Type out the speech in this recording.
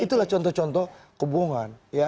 itulah contoh contoh kebohongan